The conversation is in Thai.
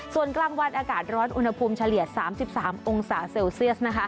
ส่วนกลางวันอากาศร้อนอุณหภูมิเฉลี่ย๓๓องศาเซลเซียสนะคะ